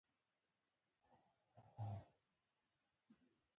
د اړوند معالج ډاکتر نظر اړین بولي